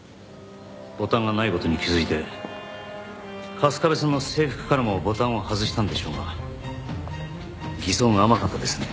ボタンがない事に気づいて春日部さんの制服からもボタンを外したんでしょうが偽装が甘かったですね。